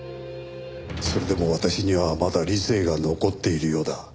それでも私にはまだ理性が残っているようだ。